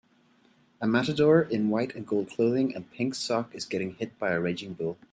a matador in white and gold clothing and pink sock is getting hit by a raging bull